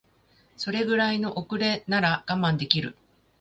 それぐらいの遅れなら我慢できる